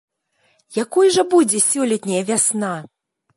Якой жа будзе сёлетняя вясна?